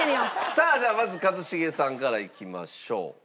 さあじゃあまず一茂さんからいきましょう。